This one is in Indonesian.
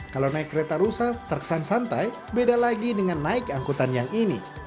kalau naik kereta rusak terkesan santai beda lagi dengan naik angkutan yang ini